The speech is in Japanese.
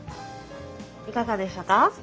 いかがでしたか？